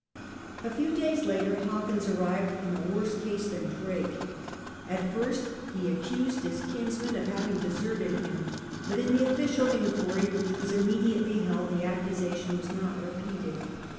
A few days later Hawkins arrived in a worse case than Drake. At first he accused his kinsman of having deserted him, but in the official inquiry, which was immediately held, the accusation was not repeated.